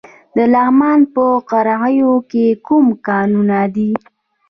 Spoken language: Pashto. د لغمان په قرغیو کې کوم کانونه دي؟